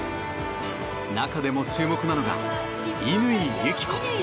中でも注目なのが乾友紀子。